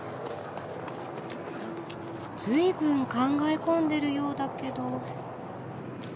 随分考え込んでるようだけど。